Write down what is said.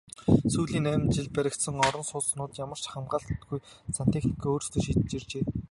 Сүүлийн найман жилд баригдсан орон сууцнууд ямар ч хяналтгүйгээр сантехникээ өөрсдөө шийдэж иржээ.